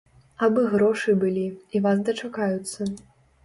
Абы грошы былі, і вас дачакаюцца.